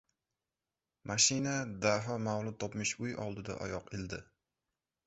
Mashina Daho mavlud topmish uy oldida oyoq ildi.